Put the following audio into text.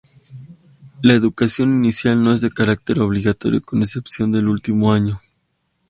La educación inicial no es de carácter obligatorio con excepción del último año.